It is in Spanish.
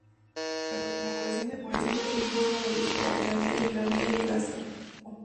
Pero la inauguración definitiva debió esperar hasta que la vía llegase a Copiapó.